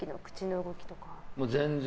全然。